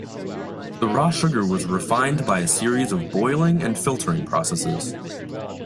The raw sugar was refined by a series of boiling and filtering processes.